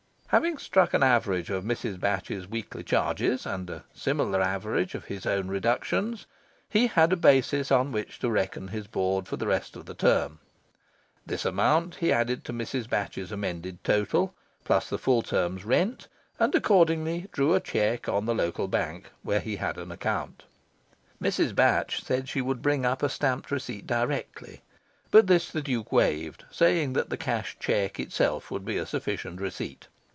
Having struck an average of Mrs. Batch's weekly charges, and a similar average of his own reductions, he had a basis on which to reckon his board for the rest of the term. This amount he added to Mrs. Batch's amended total, plus the full term's rent, and accordingly drew a cheque on the local bank where he had an account. Mrs. Batch said she would bring up a stamped receipt directly; but this the Duke waived, saying that the cashed cheque itself would be a sufficient receipt.